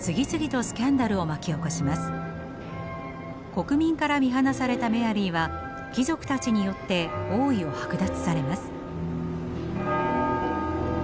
国民から見放されたメアリーは貴族たちによって王位を剥奪されます。